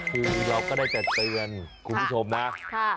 ก็ได้แต่เตือนคุณผู้ชมนะ